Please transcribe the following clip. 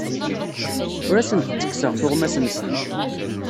Ur asen-d-ttekkseɣ tuɣmas-nsen.